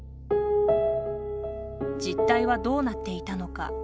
実態はどうなっていたのか。